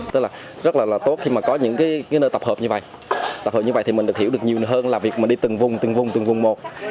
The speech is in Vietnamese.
tức là rất là tốt khi mà có những cái nơi tập hợp như vậy tập hợp như vậy thì mình được hiểu được nhiều hơn là việc mình đi từng vùng từng vùng từng vùng một